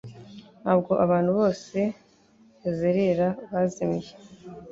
Ntabwo abantu bose bazerera bazimiye.